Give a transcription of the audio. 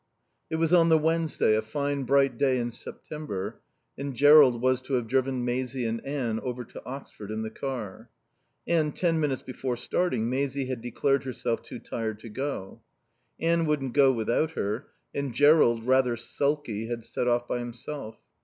It was on the Wednesday, a fine bright day in September, and Jerrold was to have driven Maisie and Anne over to Oxford in the car. And, ten minutes before starting, Maisie had declared herself too tired to go. Anne wouldn't go without her, and Jerrold, rather sulky, had set off by himself.